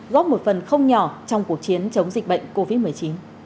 góp một phần không nhỏ trong cuộc chiến chống dịch bệnh covid một mươi chín